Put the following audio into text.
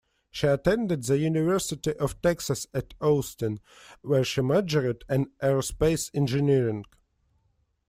She attended the University of Texas at Austin, where she majored in Aerospace Engineering.